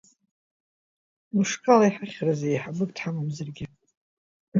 Мышкала иҳахьрызеи еиҳабык дҳамамзаргьы.